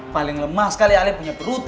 paling lemah sekali alih punya perut